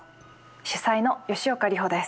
主宰の吉岡里帆です。